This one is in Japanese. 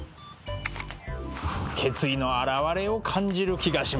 決意の表れを感じる気がします。